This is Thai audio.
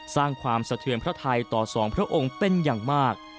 สร้างความสะเทือนพระไทยต่อสองพระองค์เป็นอย่างมาก